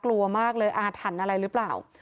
อ่าถันอะไรหรือเปล่า